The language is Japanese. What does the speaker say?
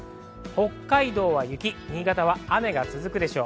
北海道は雪、新潟は雨が続くでしょう。